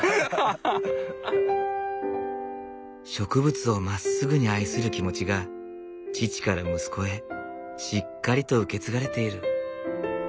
植物をまっすぐに愛する気持ちが父から息子へしっかりと受け継がれている。